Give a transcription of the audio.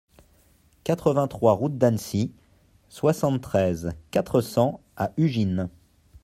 quatre-vingt-trois route d'Annecy, soixante-treize, quatre cents à Ugine